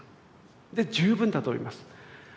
で十分だと思います。